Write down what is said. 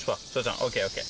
ＯＫ！ＯＫ！